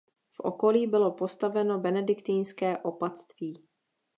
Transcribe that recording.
V okolí bylo postaveno benediktinské opatství.